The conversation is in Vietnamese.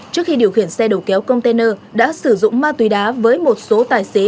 trước khi điều khiển xe đầu kéo container đã sử dụng ma túy đá với một số tài xế